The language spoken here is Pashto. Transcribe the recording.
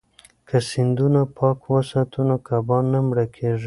که سیندونه پاک وساتو نو کبان نه مړه کیږي.